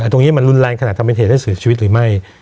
ตรงนี้มันรุนแรงขนาดทำเป็นเหตุให้เสียชีวิตหรือไม่